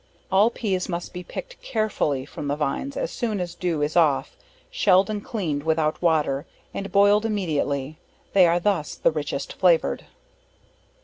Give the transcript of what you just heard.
All Peas should be picked carefully from the vines as soon as dew is off, shelled and cleaned without water, and boiled immediately; they are thus the richest flavored.